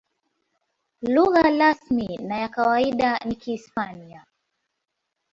Lugha rasmi na ya kawaida ni Kihispania.